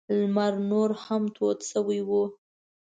لمر نور هم تود شوی و.